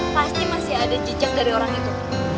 pasti masih ada jejak dari orang itu